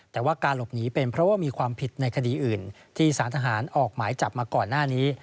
แต่ว่าการหลบหนีเป็นเพราะว่ามีความผิดในคดีอื่นที่สารทหารออกหมายจับมาก่อนหน้านี้